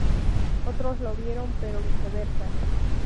Otros lo vieron, pero viceversa.